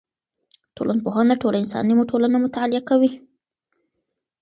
ټولنپوهنه ټوله انساني ټولنه مطالعه کوي.